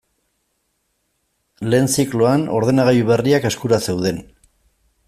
Lehen zikloan ordenagailu berriak eskura zeuden.